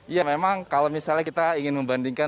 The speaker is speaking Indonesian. iya memang kalau misalnya kita ingin membandingkan